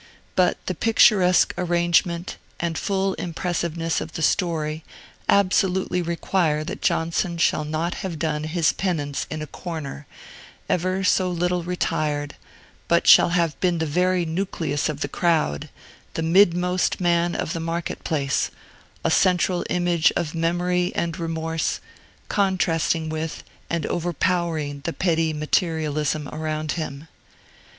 But the picturesque arrangement and full impressiveness of the story absolutely require that Johnson shall not have done his penance in a corner, ever so little retired, but shall have been the very nucleus of the crowd, the midmost man of the market place, a central image of Memory and Remorse, contrasting with and overpowering the petty materialism around him.